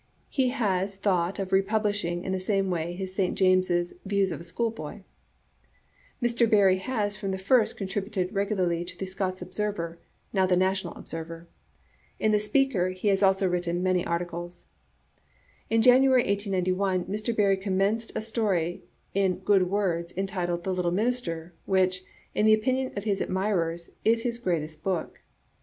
He has thought of republishing in the same way his St James's " Views of a Schoolboy. " Mr. Barrie has from the first contributed regularly to Digitized by VjOOQ IC sxzii 5* A. JSartte* the Scots Observer^ now the National Observer. In the Speaker he has also written many articles. In January, 1891, Mr. Barrie commenced a story in Good Words, entitled "The Little Minister," which, in the opinion of his admirers, is his greatest book.